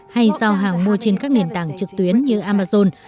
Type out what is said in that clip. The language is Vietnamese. hay giao hàng mua trên các nền tảng trực tuyến như amazon